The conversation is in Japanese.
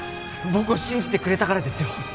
僕を信じてくれたからですよ